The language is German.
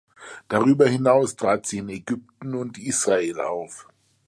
Darüber hinaus trat sie in Ägypten und Israel auf.